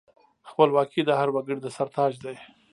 خپلواکي د هر وګړي د سر تاج دی.